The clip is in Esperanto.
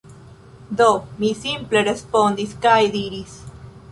Do, mi simple respondis kaj diris